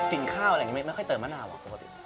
กินข้าวอะไรไงไม่ค่อยเติมมะนาวอ่ะปกติ